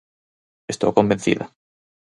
Estou convencida.